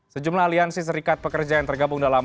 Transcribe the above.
sejumlah aliansi serikat pekerjaan yang tergabung dengan